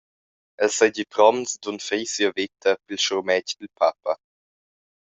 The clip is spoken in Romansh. El seigi promts d’unfrir sia veta pil schurmetg dil papa.